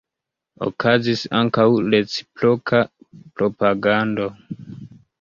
Okazis ankaŭ reciproka propagando.